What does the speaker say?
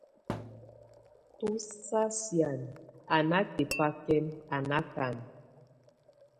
Tu sa sían a natebakɛn, a nákan.